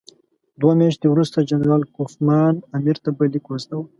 دوه میاشتې وروسته جنرال کوفمان امیر ته بل لیک واستاوه.